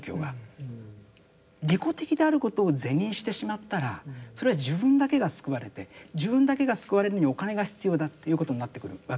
利己的であることを是認してしまったらそれは自分だけが救われて自分だけが救われるのにお金が必要だということになってくるわけですね。